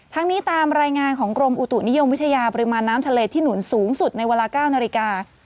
ทั้งนี้ตามรายงานของกรมอุตุนิยมวิทยาปริมาณน้ำทะเลที่หนุนสูงสุดในเวลา๙นาฬิกา